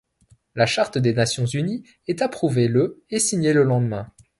La Charte des Nations unies est approuvée le et signée le lendemain.